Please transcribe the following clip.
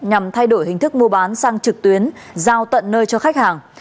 nhằm thay đổi hình thức mua bán sang trực tuyến giao tận nơi cho khách hàng